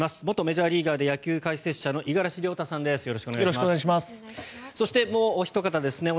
元メジャーリーガーで野球解説者の五十嵐亮太さんです